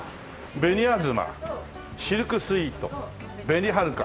紅あずまシルクスイート紅はるか。